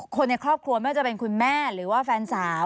คนในครอบครัวไม่ว่าจะเป็นคุณแม่หรือว่าแฟนสาว